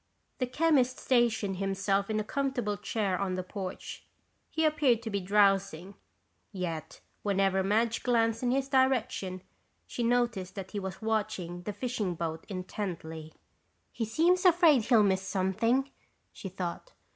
The chemist stationed himself in a comfortable chair on the porch. He appeared to be drowsing, yet whenever Madge glanced in his direction she noticed that he was watching the fishing boat intently. "He seems afraid he'll miss something," she thought.